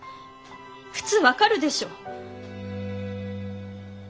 普通分かるでしょ。